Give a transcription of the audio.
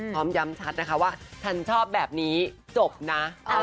พร้อมย้ำชัดนะคะว่าฉันชอบแบบนี้จบนะ